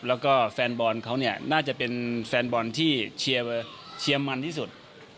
แล้วก็แฟนบอลเขาเนี่ยน่าจะเป็นแฟนบอลที่เชียร์มันที่สุด